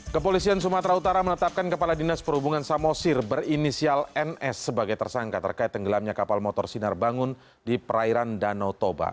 kepolisian sumatera utara menetapkan kepala dinas perhubungan samosir berinisial ns sebagai tersangka terkait tenggelamnya kapal motor sinar bangun di perairan danau toba